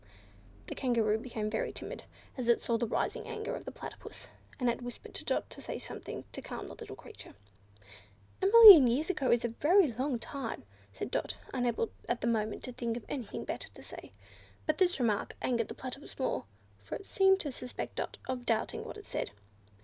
The Kangaroo became very timid, as it saw the rising anger of the Platypus, and whispered to Dot to say something to calm the little creature. "A million years is a very long time," said Dot; unable at the moment to think of anything better to say. But this remark angered the Platypus more, for it seemed to suspect Dot of doubting what it said.